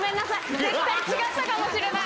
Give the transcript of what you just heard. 絶対違ったかもしれない。